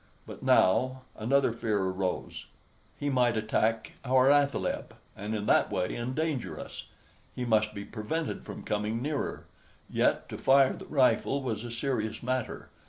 But now another fear arose. He might attack our athaleb, and in that way endanger us. He must be prevented from coming nearer; yet to fire the rifle was a serious matter.